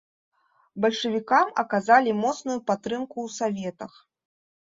Бальшавікам аказалі моцную падтрымку ў саветах.